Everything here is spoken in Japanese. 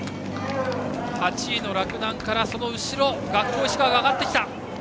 ８位の洛南から、その後ろ学法石川が上がってきた！